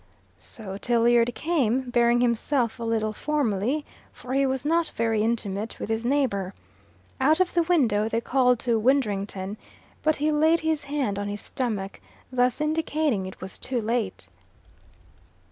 So Tilliard came, bearing himself a little formally, for he was not very intimate with his neighbour. Out of the window they called to Widdrington. But he laid his hand on his stomach, thus indicating it was too late.